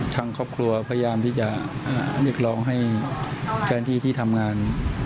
ทางครอบครัวพยายามที่จะเรียกร้องให้แทนที่ที่ทำงาน